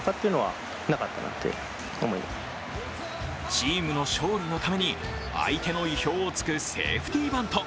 チームの勝利のために相手の意表を突くセーフティバント。